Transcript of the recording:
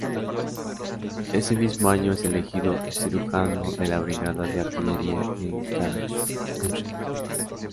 Ese mismo año es elegido cirujano de la Brigada de Artillería en Karlsruhe.